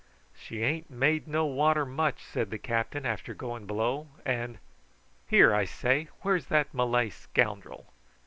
"She ain't made no water much," said the captain, after going below; "and here, I say, where's that Malay scoundrel?"